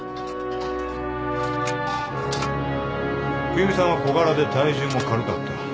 冬美さんは小柄で体重も軽かった。